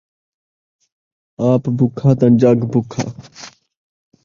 آپ بُکھا تاں جڳ بُکھا